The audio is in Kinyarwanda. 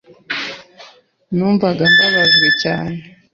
Numvaga mbabajwe cyane.